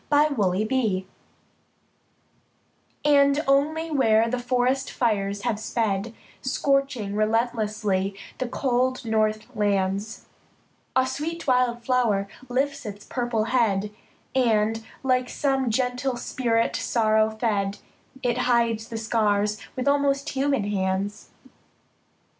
FIRE FLOWERS And only where the forest fires have sped, Scorching relentlessly the cool north lands, A sweet wild flower lifts its purple head, And, like some gentle spirit sorrow fed, It hides the scars with almost human hands.